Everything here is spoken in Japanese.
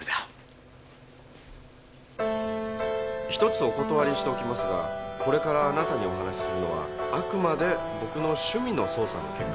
１つお断りしておきますがこれからあなたにお話しするのはあくまで僕の趣味の捜査の結果です。